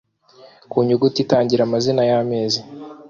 Ku nyuguti itangira amazina y’amezi